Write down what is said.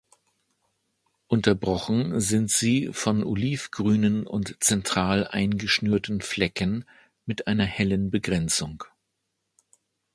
Unterbrochen sind sie von olivgrünen und zentral eingeschnürten Flecken mit einer hellen Begrenzung.